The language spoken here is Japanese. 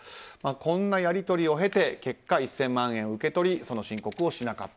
こんなやり取りを経て、結果１０００万円を受け取りその申告をしなかった。